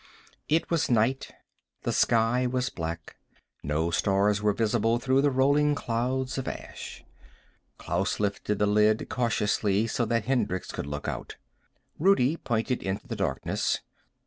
It was night. The sky was black. No stars were visible through the rolling clouds of ash. Klaus lifted the lid cautiously so that Hendricks could look out. Rudi pointed into the darkness.